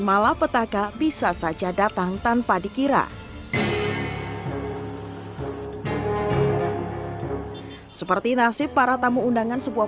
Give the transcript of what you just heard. malapetaka bisa saja datang tanpa dikira seperti nasib para tamu undangan sebuah